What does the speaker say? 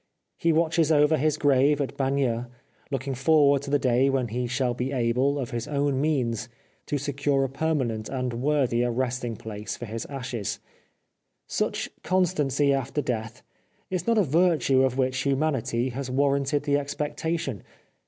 He watches over his grave at Bagneux, looking forward to the day when he shall be able, of his own means, to secure a permanent and worthier resting place for his ashes. Such constancy after death is not a virtue of which humanity has warranted the expectation.